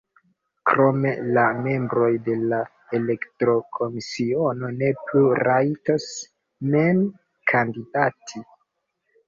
Krome la membroj de la elektokomisiono ne plu rajtos mem kandidati.